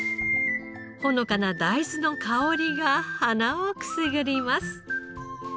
ほのかな大豆の香りが鼻をくすぐります。